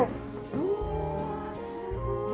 うわすごい。